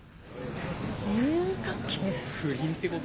不倫ってこと？